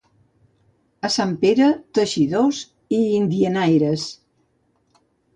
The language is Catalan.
A Sant Pere, teixidors i indianaires.